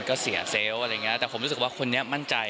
ก็เสียเซลล์อะไรอย่างเงี้แต่ผมรู้สึกว่าคนนี้มั่นใจ